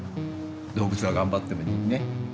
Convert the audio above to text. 動物が頑張ってるのにね。